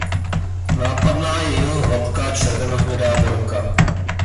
Nápadná je jeho hladká červenohnědá borka.